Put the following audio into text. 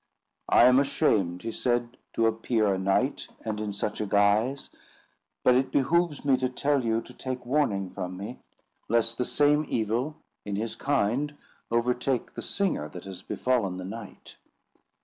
"I am ashamed," he said, "to appear a knight, and in such a guise; but it behoves me to tell you to take warning from me, lest the same evil, in his kind, overtake the singer that has befallen the knight.